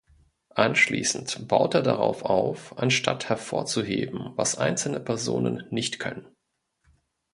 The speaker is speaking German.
Anschließend baut er darauf auf, anstatt hervorzuheben was einzelne Personen "nicht" können.